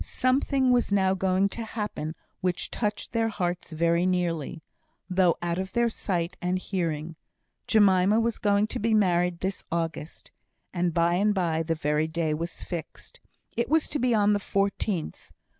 Something was now going to happen, which touched their hearts very nearly, though out of their sight and hearing. Jemima was going to be married this August, and by and by the very day was fixed. It was to be on the 14th.